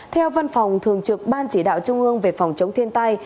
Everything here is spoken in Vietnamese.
theo văn phòng thường trực ban chỉ đạo trung ương về phòng chống thiên tai